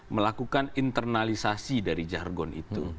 melakukan internalisasi dari jargon itu